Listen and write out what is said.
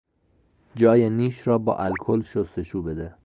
جای نیش را با الکل شستشو بده.